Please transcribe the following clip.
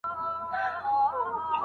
ایا ډېر ږدن او پاڼي له کړکۍ څخه راغلل؟